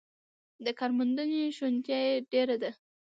د کارموندنې شونتیا یې ډېره ده.